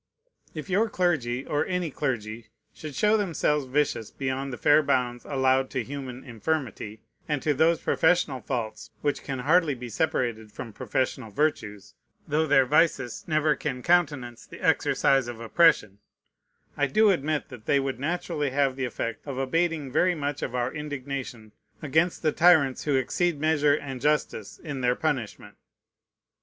If your clergy, or any clergy, should show themselves vicious beyond the fair bounds allowed to human infirmity, and to those professional faults which can hardly be separated from professional virtues, though their vices never can countenance the exercise of oppression, I do admit that they would naturally have the effect of abating very much of our indignation against the tyrants who exceed measure and justice in their punishment.